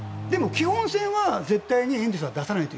基本線は絶対にエンゼルスは出さないと。